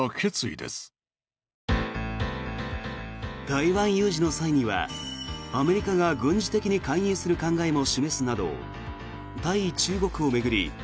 台湾有事の際にはアメリカが軍事的に介入する考えも示すなど対中国を巡り